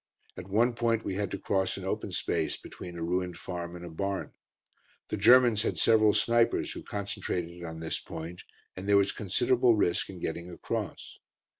At one point we had to cross an open space between a ruined farm and a barn. The Germans had several snipers who concentrated on this point, and there was considerable risk in getting across.